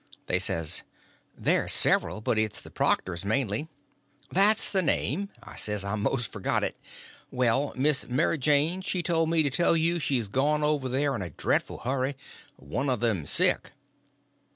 They says: "There's several; but it's the Proctors, mainly." "That's the name," I says; "I most forgot it. Well, Miss Mary Jane she told me to tell you she's gone over there in a dreadful hurry—one of them's sick."